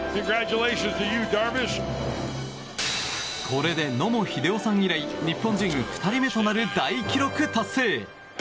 これで野茂英雄さん以来日本人２人目となる大記録達成。